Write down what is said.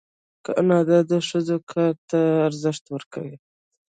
کاناډا د ښځو کار ته ارزښت ورکوي.